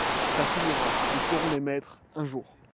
Ça finira, nous serons les maîtres, un jour!